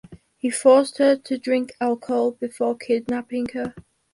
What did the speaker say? He forced her to drink alcohol before kidnapping her.